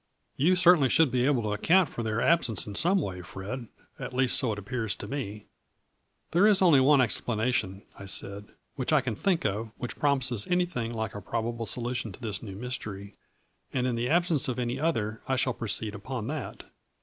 "You certainly should be able to account for their absence in some way, Fred ; at least so it appears to me." " There is only one explanation," I said, " which I can think of which promises anything like a probable solution to this new mystery, and, in the absence of any other, I shall pro ceed upon that.